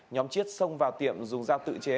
nhóm chiết xông vào tiệm dùng dao tự chế